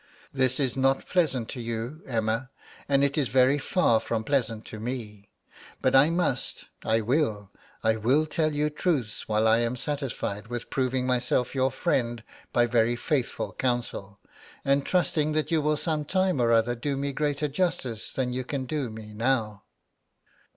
This is not pleasant to you, Emma, and it is very far from pleasant to me, but I must, I will, I will tell you truths while I am satisfied with proving myself your friend by very faithful counsel, and trusting that you will some time or other do me greater justice than you can do me now.'